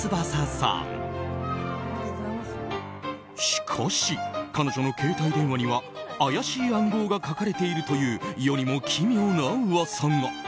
しかし、彼女の携帯電話には怪しい暗号が書かれているという世にも奇妙なうわさが。